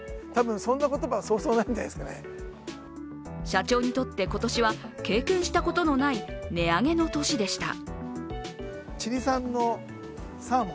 社長にとって、今年は経験したことのない値上げの年でした。